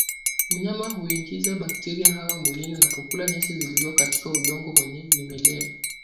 Mnyama huingiza bakteria hawa mwilini anapokula nyasi zilizo katika udongo wenye vimelea